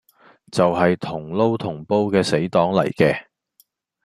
就係同撈同煲嘅死黨嚟嘅